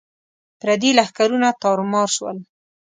پردي لښکرونه تارو مار شول.